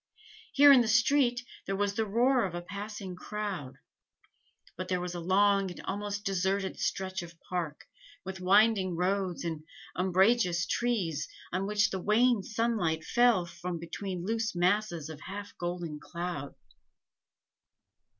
Here in the street there was the roar of a passing crowd; but there was a long and almost deserted stretch of park, with winding roads and umbrageous trees, on which the wan sunlight fell from between loose masses of half golden cloud.